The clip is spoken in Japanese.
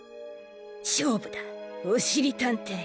しょうぶだおしりたんてい！